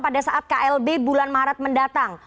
pada saat klb bulan maret mendatang